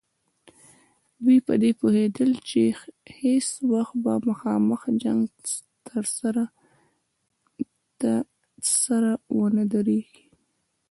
دوی په دې پوهېدل چې هېڅ وخت به مخامخ جنګ ته سره ونه دریږي.